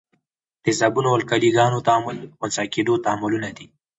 د تیزابونو او القلي ګانو تعامل خنثي کیدو تعاملونه دي.